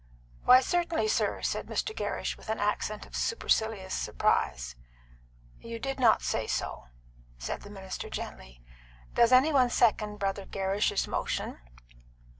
"Why, certainly, sir," said Mr. Gerrish, with an accent of supercilious surprise. "You did not say so," said the minister gently. "Does any one second Brother Gerrish's motion?"